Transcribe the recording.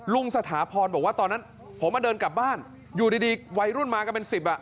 สถาพรบอกว่าตอนนั้นผมมาเดินกลับบ้านอยู่ดีวัยรุ่นมากันเป็นสิบอ่ะ